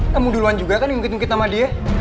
kamu duluan juga kan ngungkit ngungkit sama dia